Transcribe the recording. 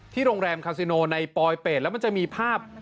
โรงแรมคาซิโนในปลอยเป็ดแล้วมันจะมีภาพ